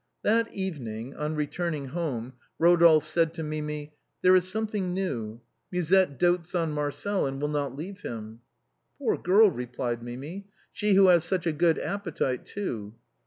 That evening, on returning home, Eodolphe said to Mimi— " There is something new ; Musette dotes on Marcel, and will not leave him." " Poor girl !" replied Mimi. " She who has such a good appetite, too."